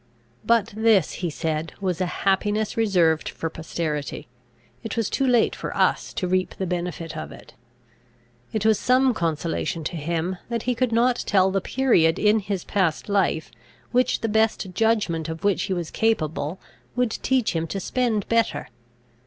But this, he said, was a happiness reserved for posterity; it was too late for us to reap the benefit of it. It was some consolation to him, that he could not tell the period in his past life, which the best judgment of which he was capable would teach him to spend better.